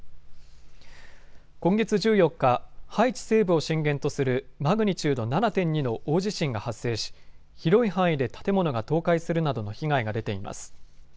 今月１４日、ハイチ西部を震源とするマグニチュード７．２の大地震が発生し、広い範囲で建物が倒壊するなどの被害が出ています。